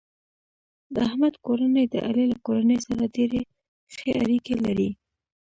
د احمد کورنۍ د علي له کورنۍ سره ډېرې ښې اړیکې لري.